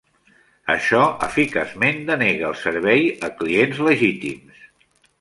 Això eficaçment denega el servei a clients legítims.